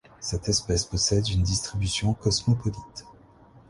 Cette espèce possède une distribution cosmopolite.